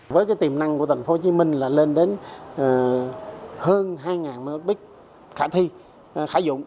với tiềm năng của thành phố hồ chí minh là lên đến hơn hai m ba khả thi khả dụng